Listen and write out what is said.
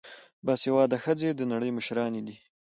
باسواده ښځې د نړۍ مشرانې دي.